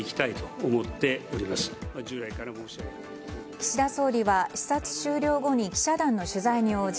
岸田総理は視察終了後に記者団の取材に応じ